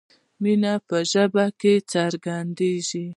مینه په ژبه کې څرګندیږي.